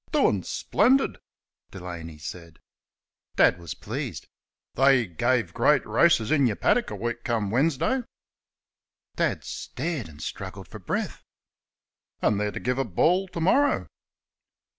"Doin' splendid," Delaney said. Dad was pleased. "They guve great raices in yur paddick a week come Winsdy." Dad stared and struggled for breath. "An' they're to guve a ball to morrer."